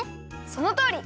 そのとおり！